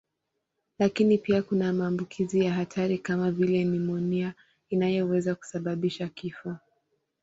Lakini pia kuna maambukizi ya hatari kama vile nimonia inayoweza kusababisha kifo.